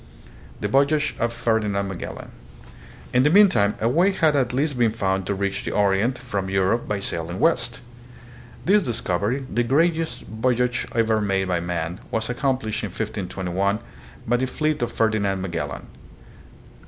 The Voyage of Ferdinand Magellan. In the mean time a way had at last been found to reach the Orient from Europe by sailing west. This discovery, the greatest voy age ever made by man, was accomplished, in 1521, by the fleet of Ferdinand Magellan.